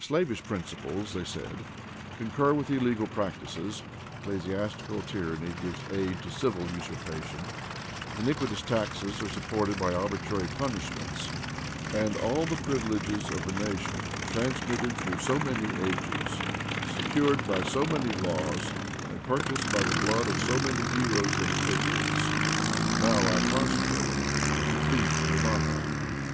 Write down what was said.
Slavish principles they said, concur with illegal practices; ecclesiastical tyranny gives aid to civil usurpation; iniquitous taxes are supported by arbitrary punishments; and all the privileges of the nation, transmitted through so many ages, secured by so many laws and purchased by the blood of so many heroes and patriots, now lie prostrate at the feet of the monarch.